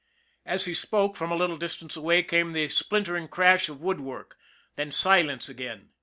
As he spoke, from a little distance away, came the splintering crash of woodwork then silence again.